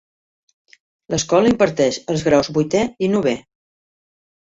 L'escola imparteix els graus vuitè i novè.